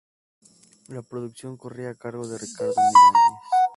La producción corría a cargo de Ricardo Miralles.